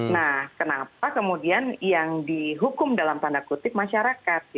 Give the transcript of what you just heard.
nah kenapa kemudian yang dihukum dalam tanda kutip masyarakat